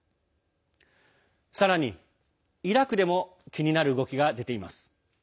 さらに、イラクでも気になる動きが出ています。